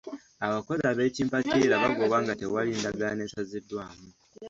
Abakozi ab'ekimpatiira bagobwa nga tewali endagaano esaziddwamu.